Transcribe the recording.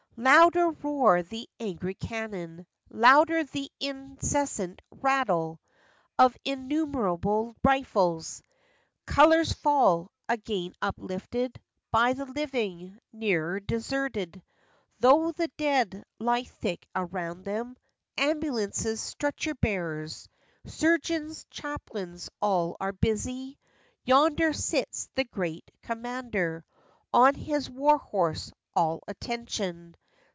Louder, roar the angry cannon ; Louder the incessant rattle Of innumerable rifles; Colors fall; again uplifted By the living; ne'er deserted, Tho' the dead lie thick around them Ambulances, stretcher bearers, Surgeons, chaplains, all are busy. Yonder sits the great commander On his war horse, all attention